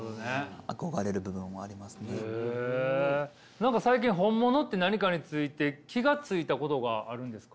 何か最近本物って何かについて気が付いたことがあるんですか？